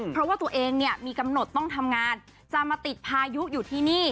เพราะว่าตัวเองเนี่ยมีกำหนดต้องทำงานจะมาติดพายุอยู่ที่นี่